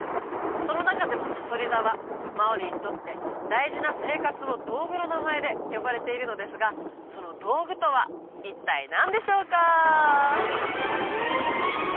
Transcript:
その中でもさそり座はマオリにとって大事な生活の道具の名前で呼ばれているのですがその道具とは一体何でしょうか？